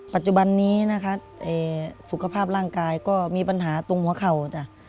ปัจจุบันนี้นะคะสุขภาพร่างกายก็มีปัญหาตรงหัวเข่าจ้ะ